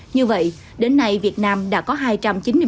như vậy các hồ sơ vùng trồng đã được cấp mã số xuất khẩu vào trung quốc